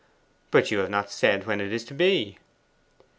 'But you have not said when it is to be?